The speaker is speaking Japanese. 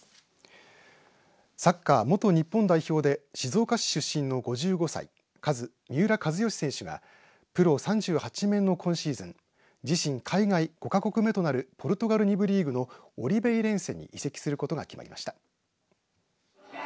サッカー元日本代表で静岡県出身の５５歳、三浦知良選手がプロ３８年目の今シーズンポルトガル２部のオリベイレンセに移籍することが決まりました。